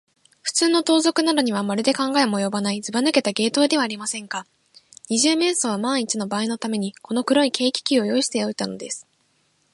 ふつうの盗賊などには、まるで考えもおよばない、ずばぬけた芸当ではありませんか。二十面相はまんいちのばあいのために、この黒い軽気球を用意しておいたのです。